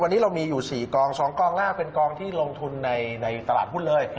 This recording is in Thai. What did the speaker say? วันนี้เรามีอยู่๔กอง๒กองหน้าเป็นกองที่ลงทุนในตลาดหุ้นเลย